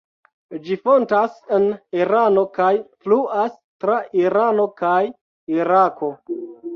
Ĝi fontas en Irano kaj fluas tra Irano kaj Irako.